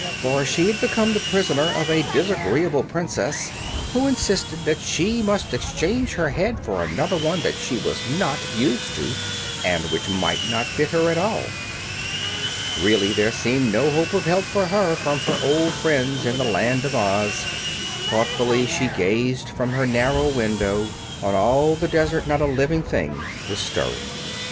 For she had become the prisoner of a disagreeable princess who insisted that she must exchange her head for another one that she was not used to, and which might not fit her at all. Really, there seemed no hope of help for her from her old friends in the Land of Oz. Thoughtfully she gazed from her narrow window. On all the desert not a living thing was stirring.